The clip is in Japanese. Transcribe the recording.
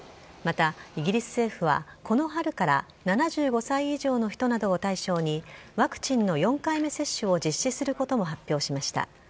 またイギリス政府は、この春から、７５歳以上の人などを対象に、ワクチンの４回目接種を実施することも発表しました。